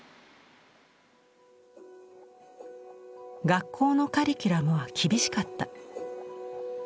学校のカリキュラムは厳しかった。